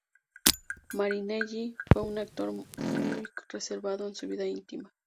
Marinelli fue un actor muy reservado en su vida íntima.